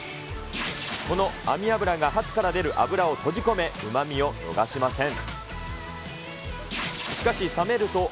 この網脂やかすから出る脂を閉じ込め、うまみを逃しません。